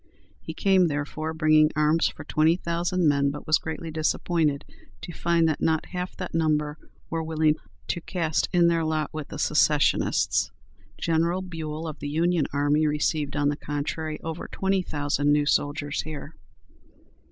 He came therefore, bringing arms for twenty thousand men, but was greatly disappointed to find that not half that number were willing to cast in their lot with the Secessionists. General Buell, of the Union army, received, on the contrary, over twenty thousand new soldiers here.